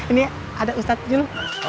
ini ya ada ustadz jul